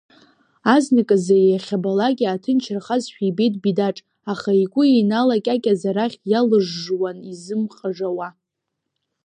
Азныказы иахьабалак иааҭынчрахазшәа ибеит Бидаҿ, аха игәы иналакьакьаз арахь иалыжжуан изымҟажауа…